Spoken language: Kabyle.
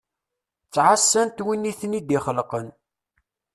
Ttɛasant win iten-id-ixelqen.